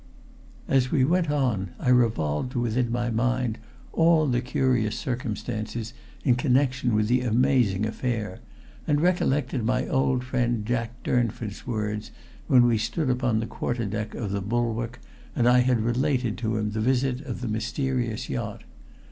As we went on I revolved within my mind all the curious circumstances in connection with the amazing affair, and recollected my old friend Jack Durnford's words when we stood upon the quarter deck of the Bulwark and I had related to him the visit of the mysterious yacht.